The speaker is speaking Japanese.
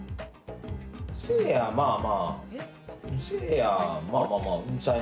せいやまあまあまあ。